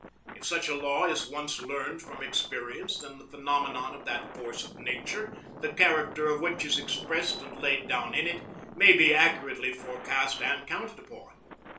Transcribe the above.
If such a law is once learned from experience, then the phenomenon of that force of nature, the character of which is expressed and laid down in it, may be accurately forecast and counted upon.